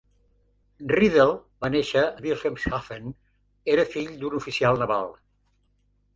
Riedel va néixer a Wilhelmshaven, era fill d'un oficial naval.